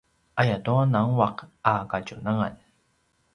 ayatua nanguaq a kadjunangan